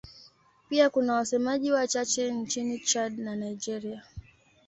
Pia kuna wasemaji wachache nchini Chad na Nigeria.